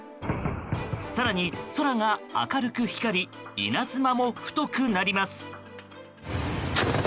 更に、空が明るく光り稲妻も太くなります。